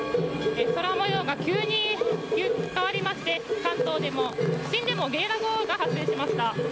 空模様が急に変わりまして関東の都心でもゲリラ豪雨が発生しました。